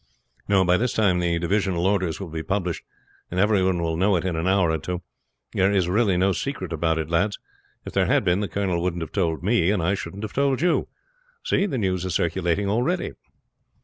"No; by this time the divisional orders will be published, and everyone will know it in an hour or two. There is really no secret about it, lads. If there had been the colonel wouldn't have told me, and I shouldn't have told you. See, the news is circulating already."